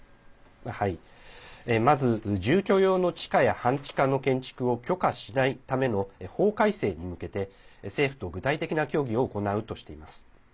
まず、住居用の地下や半地下の建築を許可しないための法改正に向けて、政府と具体的な協議を行うとしています。